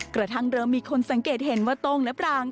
กระทั่งเริ่มมีคนสังเกตเห็นว่าโต้งและปราง